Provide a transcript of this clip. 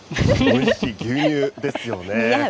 おいしい牛乳ですよね。